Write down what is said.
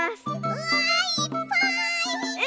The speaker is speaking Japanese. うわいっぱい！